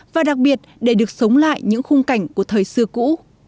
và đặc biệt để được sống lại những khung cảnh của thời xưa cũ